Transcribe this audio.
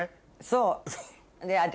そう。